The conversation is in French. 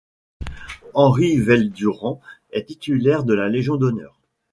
Henri Vel-Durand était titulaire de la Légion d’honneur.